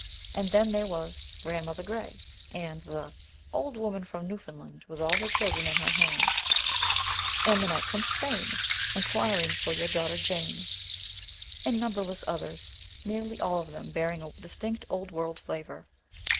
And then there was "Grandmother Gray," and the "Old woman from Newfoundland, With all her children in her hand;" and the "Knight from Spain Inquiring for your daughter Jane," and numberless others, nearly all of them bearing a distinct Old World flavor.